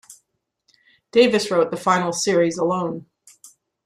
Davis wrote the final series alone.